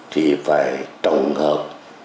thì phải trồng hợp